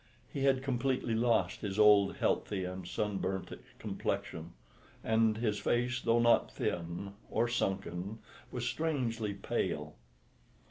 He had completely lost his old healthy and sunburnt complexion, and his face, though not thin or sunken, was strangely pale.